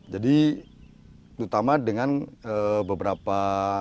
jadi terutama dengan beberapa